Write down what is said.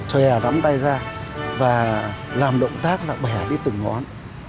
xòe rắm tay ra và làm động tác là bẻ đi từng ngón